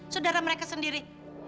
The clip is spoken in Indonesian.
saudara mereka sendiri